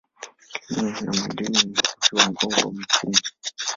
Kilimo na madini ni uti wa mgongo wa uchumi.